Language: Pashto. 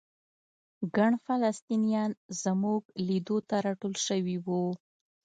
ګڼ فلسطینیان زموږ لیدو ته راټول شوي وو.